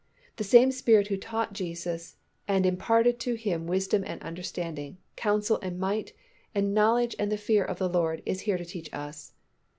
The same Spirit who taught Jesus and imparted to Him wisdom and understanding, counsel and might, and knowledge and the fear of the Lord is here to teach us.